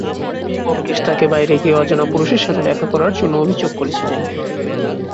ব্যোমকেশ তাকে বাইরে গিয়ে অজানা পুরুষের সাথে দেখা করার জন্য অভিযোগ করেছিলেন।